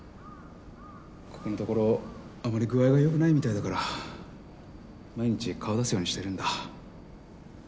ここのところあまり具合が良くないみたいだから毎日顔出すようにしてるんだ。